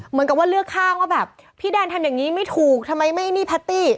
เหมือนกับว่าเลือกข้างว่าแบบพี่แดนทำอย่างนี้ไม่ถูกทำไมไม่นี่แพตตี้